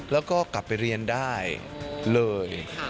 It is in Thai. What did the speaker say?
แล้วก็กลับไปเรียนได้เลย